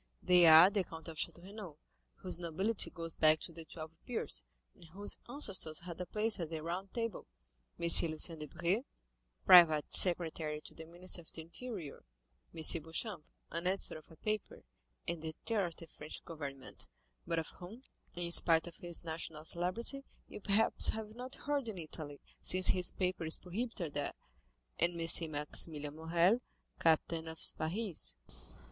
They are the Count of Château Renaud, whose nobility goes back to the twelve peers, and whose ancestors had a place at the Round Table; M. Lucien Debray, private secretary to the minister of the interior; M. Beauchamp, an editor of a paper, and the terror of the French government, but of whom, in spite of his national celebrity, you perhaps have not heard in Italy, since his paper is prohibited there; and M. Maximilian Morrel, captain of Spahis."